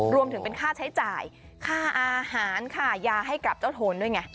รวมถึงเป็นค่าใช้จ่ายค่าอาหารค่ายาให้กับเจ้าโทนด้วยไง